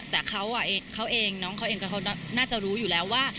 แต่เขาเองน้องเขาเองน่าจะรู้อยู่แล้วว่า